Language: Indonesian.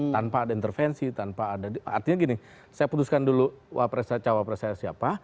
tanpa ada intervensi tanpa ada artinya gini saya putuskan dulu saya cawapres saya siapa